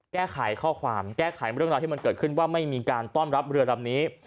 แก้ไขข้อความแก้ไขเรื่องราวที่มันเกิดขึ้นว่าไม่มีการต้อนรับเรือลำนี้